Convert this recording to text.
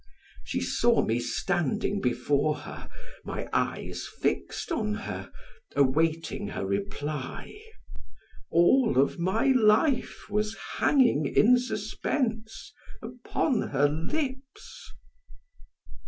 She saw me standing before her, my eyes fixed on her, awaiting her reply; all of my life was hanging in suspense upon her lips.